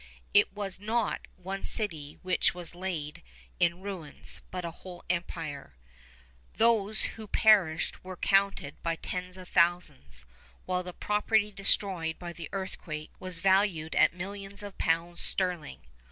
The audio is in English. It was not one city which was laid in ruins, but a whole empire. Those who perished were counted by tens of thousands, while the property destroyed by the earthquake was valued at millions of pounds sterling.